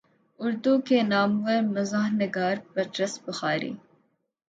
اردو کے نامور مزاح نگار پطرس بخاری